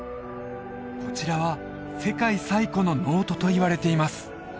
こちらは世界最古のノートといわれています